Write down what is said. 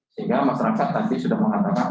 sehingga masyarakat tadi sudah mengatakan